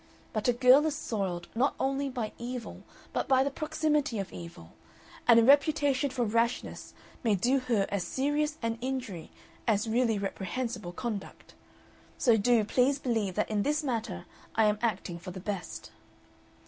But a girl is soiled not only by evil but by the proximity of evil, and a reputation for rashness may do her as serious an injury as really reprehensible conduct. So do please believe that in this matter I am acting for the best."